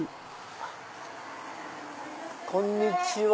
こんにちは。